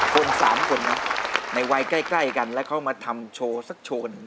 คนสามคนนะในวัยใกล้กันแล้วเขามาทำโชว์สักโชว์หนึ่ง